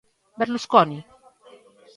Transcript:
Berlusconi?